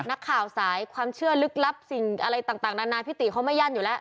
นักข่าวสายความเชื่อลึกลับสิ่งอะไรต่างนานาพี่ติเขาไม่ยั่นอยู่แล้ว